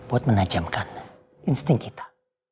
untuk menjaga kebaikan kamu